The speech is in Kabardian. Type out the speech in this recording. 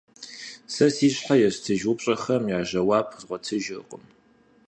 Сэ си щхьэ естыж упщӏэхэм я жэуап згъуэтыжыркъм.